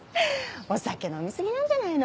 お酒飲みすぎなんじゃないの？